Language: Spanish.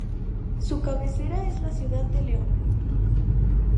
Su cabecera es la ciudad de León.